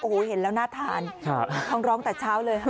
โอ้โหเห็นแล้วหน้าทานคงน้องตัดเช้าเลย